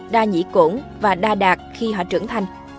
đa nhị cổng và đa đạt khi họ trưởng thành